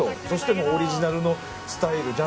そしてオリジナルのスタイル